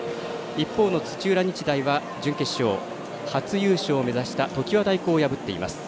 一方の土浦日大は準決勝初優勝を目指した常磐大高を破っています。